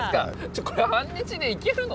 これ半日でいけるの？